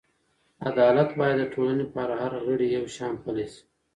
عدالت باید د ټولنې په هر غړي یو شان پلی شي.